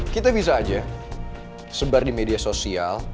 kita bisa aja sebar di media sosial